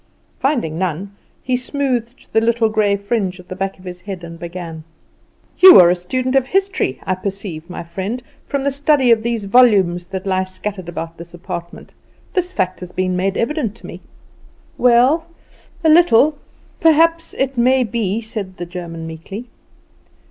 Finding none, he smoothed the little grey fringe at the back of his head, and began: "You are a student of history, I perceive, my friend, from the study of these volumes that lie scattered about this apartment; this fact has been made evident to me." "Well a little perhaps it may be," said the German meekly.